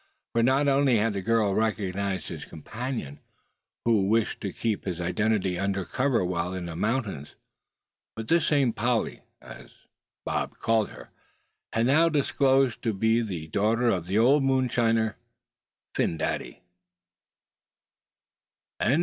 For not only had the girl recognized his companion, who wished to keep his identity under cover while in the mountains; but this same Polly, as Bob called her, had now disclosed herself to be the daughter of the moonshiner, Old Phin Dady!